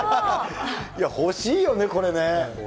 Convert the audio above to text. いや、欲しいよね、これね。